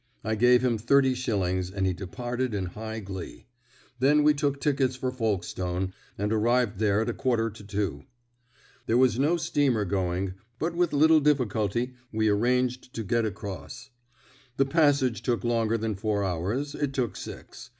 I gave him thirty shillings, and he departed in high glee. Then we took tickets for Folkestone, and arrived there at a quarter to two. There was no steamer going, but with little difficulty we arranged to get across. The passage took longer than four hours it took six.